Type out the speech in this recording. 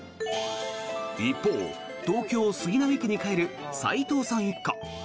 一方、東京・杉並区に帰る齋藤さん一家。